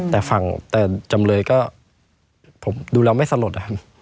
แต่ฝั่งจำเลยก็ผมดูแล้วไม่สลด